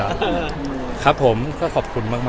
อศนธรรมค่ะครับผมก็ขอบคุณมากค่ะ